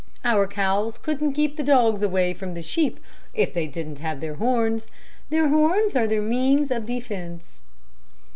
Our cows couldn't keep the dogs away from the sheep if they didn't have their horns. Their horns are their means of defense."